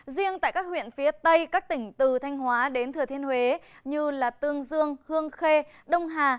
riêng tại các huyện phía tây các tỉnh từ thanh hóa đến thừa thiên huế như tương dương hương khê đông hà